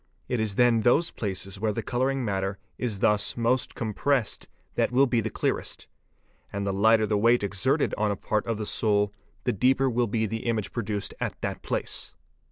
It is then those places where the colouring matter is thus most com pressed that will be the clearest; and the lighter the weight exerted on a part of the sole the deeper will be the image produced at that place.